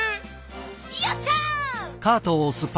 よっしゃ！